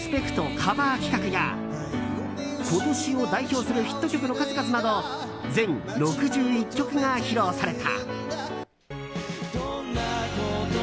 カバー企画や今年を代表するヒット曲の数々など全６１曲が披露された。